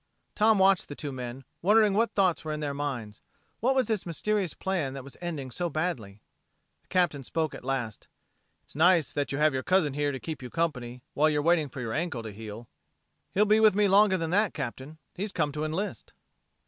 Tom watched the two men, wondering what thoughts were in their minds. What was this mysterious plan that was ending so badly? The Captain spoke at last: "It's nice that you have your cousin here to keep you company while you're waiting for your ankle to heal." "He'll be with me longer than that, Captain. He's come to enlist."